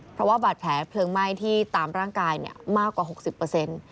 เพราะว่าบาดแผลเพลิงไหม้ที่ตามร่างกายมากกว่า๖๐เปอร์เซ็นต์